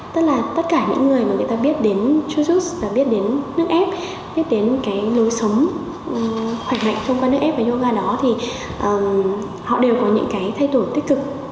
tức là tất cả những người mà người ta biết đến chujust và biết đến nước ép biết đến cái lối sống khỏe mạnh thông qua nước ép và yoga đó thì họ đều có những cái thay đổi tích cực